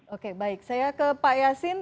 oke baik saya ke pak yasin